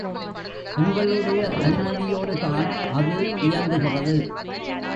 எங்களுடைய அனுமதியோடுதான் அது இயங்குகிறது.